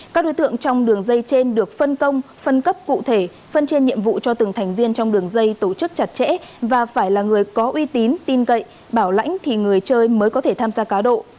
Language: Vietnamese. các đối tượng trong đường dây trên được phân công phân cấp cụ thể phân trên nhiệm vụ cho từng thành viên trong đường dây tổ chức chặt chẽ và phải là người có uy tín tin cậy bảo lãnh thì người chơi mới có thể tham gia cá độ